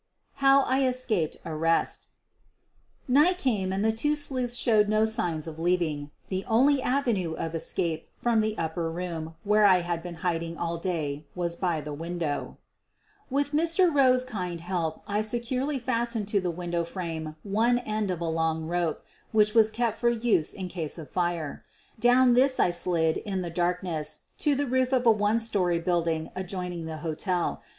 HOW I ESCAPED ARREST Night came and the two sleuths showed no signs of leaving. The only avenue of escape from the upper room where I had been hiding all day was by the window. With Mr. Rowe 's kind help I securely fastened to QUEEN OF THE BURGLARS 103 the window frame one end of a long rope, which was kept for use in case of fire. Down this I slid in the darkness to the roof of a one story building ad joining the hotel.